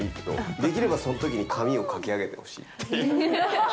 できればそのときに髪をかき上げてほしいっていう。